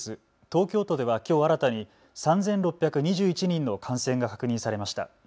東京都ではきょう新たに３６２１人の感染が確認されました。